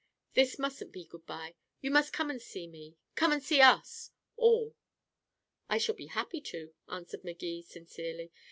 This mustn't be good by. You must come and see me come and see us all." "I shall be happy to," answered Magee sincerely.